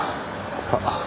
あっ。